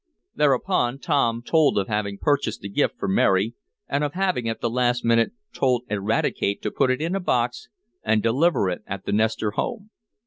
Thereupon Tom told of having purchased the gift for Mary, and of having, at the last minute, told Eradicate to put it in a box and deliver it at the Nestor home.